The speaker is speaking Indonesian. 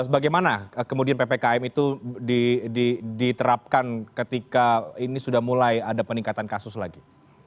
bagaimana kemudian ppkm itu diterapkan ketika ini sudah mulai ada peningkatan kasus lagi